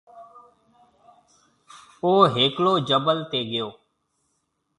او ھيَََڪلو جبل تي گيو۔